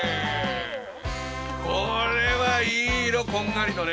これはいい色こんがりとね。